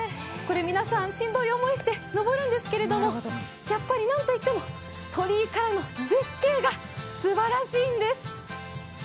皆さん、しんどい思いして登るんですけどもやっぱり何といっても、鳥居からの絶景がすばらしいんです。